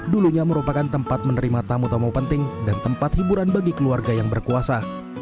dulunya merupakan tempat menerima tamu tamu penting dan tempat hiburan bagi keluarga yang berkuasa